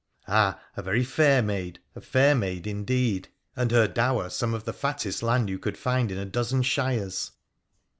Ah ! a very fair maid — a fair maid, indeed ! And her dower some of the fattest land you could find in a dozen shires